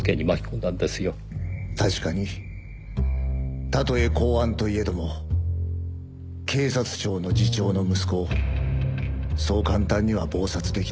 確かにたとえ公安といえども警察庁の次長の息子をそう簡単には謀殺出来ない。